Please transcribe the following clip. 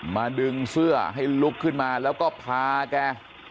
ดึงเสื้อให้ลุกขึ้นมาแล้วก็พาแก